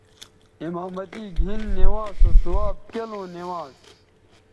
امامتی گھن نوانز سو ثواب کیلوں نوانز